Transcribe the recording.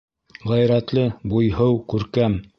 Ғәйрәтле, буйһыу, күркәм.